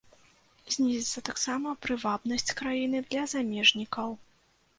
Знізіцца таксама прывабнасць краіны для замежнікаў.